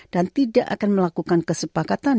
dan tidak akan melakukan kesepakatan